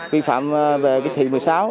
vi phạm về chữ thị một mươi sáu